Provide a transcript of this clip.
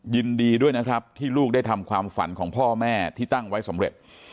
ยินดีด้วยนะครับที่ลูกได้ทำความฝันของพ่อแม่ที่ตั้งไว้สำเร็จ